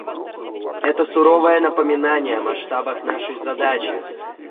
Это суровое напоминание о масштабах нашей задачи.